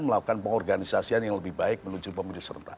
melakukan pengorganisasian yang lebih baik menuju pemilu serentak